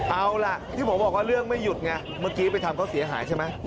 เอาล่ะที่ผมบอกว่าเรื่องไม่หยุดไงเมื่อกี้ไปทำเขาเสียหายใช่ไหม